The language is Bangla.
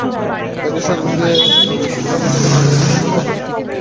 একই সঙ্গে এসআই সোলায়মানকে মামলার তদন্তকাজ থেকে সরিয়ে রাখতে বলা হয়েছে।